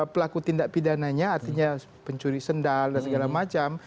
pelaku tindak pidananya artinya pencuri sendal dan segala macam